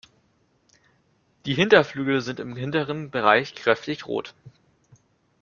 Die Hinterflügel sind im hinteren Bereich kräftig rot.